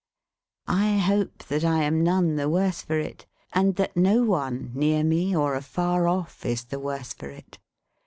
I hope that I am none the worse for it, and that no one near me or afar off is the worse for it.